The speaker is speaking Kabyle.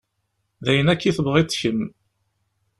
D ayen akk tebɣiḍ kemm.